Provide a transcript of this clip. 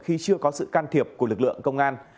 khi chưa có sự can thiệp của lực lượng công an